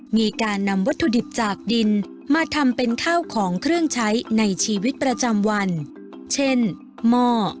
มีการนำวัตถุดิบจากดินมาทำเป็นข้าวของเครื่องใช้ในชีวิตประจำวันเช่นหม้อ